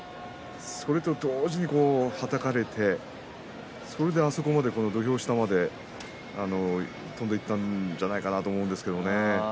それと同時にはたかれてあそこまで、土俵下まで跳んでいったんじゃないかなと思うんですけどね。